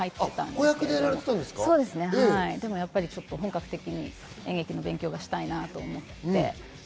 子役でやってたんですが、本格的に演劇の勉強がしたいなと思って。